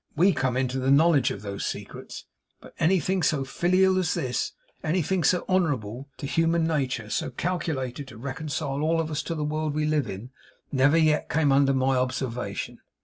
We come into the knowledge of those secrets. But anything so filial as this; anything so honourable to human nature; so calculated to reconcile all of us to the world we live in; never yet came under my observation.